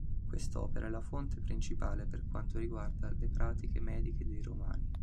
Quest'opera e la fonte principale per quanto riguarda le pratiche mediche dei Romani.